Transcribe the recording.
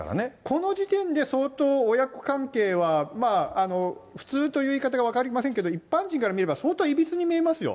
この時点で相当、親子関係は普通という言い方は分かりませんけども、一般人から見れば、相当いびつに見えますよ。